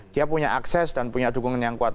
dia punya akses dan punya dukungan yang kuat